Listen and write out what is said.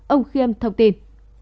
ông khiêm thông tin